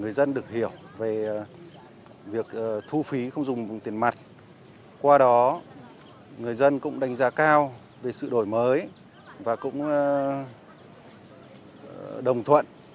người dân được hiểu về việc thu phí không dùng tiền mặt qua đó người dân cũng đánh giá cao về sự đổi mới và cũng đồng thuận